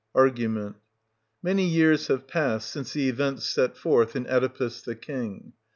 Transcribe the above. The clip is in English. Many years have passed since the events set forth in Oedipus the King.